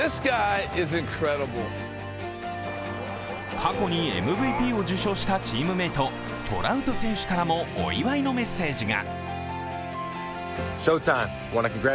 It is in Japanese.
過去にＭＶＰを受賞したチームメイト、トラウト選手からもお祝いのメッセージが。